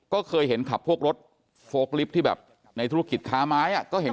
ก็เคยเห็นขับพวกรถโฟล์ลิฟท์ที่แบบในธุรกิจค้าไม้อ่ะก็เห็น